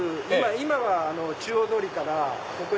今は中央通りからここに。